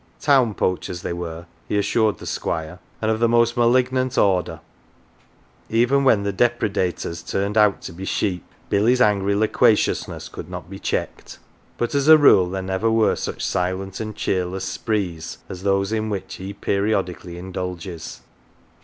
" Town poachers, they were," he assured the Squire, and of the most malignant order: even when the depredators turned out to be sheep, Billy's angry loquaciousness could not be checked. But as a rule there never were such silent and cheerless " sprees " as those in which he periodically indulges.